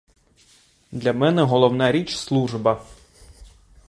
Для мене головна річ служба.